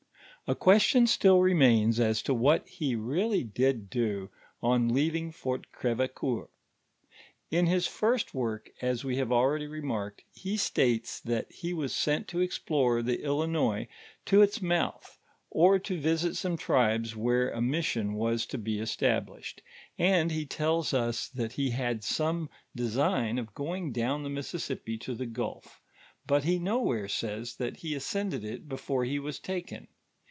A question still remains ns to what he really did do on leaving Fort Crt^ve coBur. In his first work, as we have already remarked, he states that he woe sent to exj)loro the Illinois to its mouth, or to visit some tribes where a mission was to bo established ; and he tells u: that he hnd some design of going down the Mississijn i to the gulf, but he nowhere says that he oscended it before he was token.